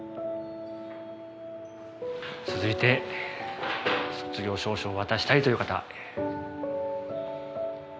続いて卒業証書を渡したいという方。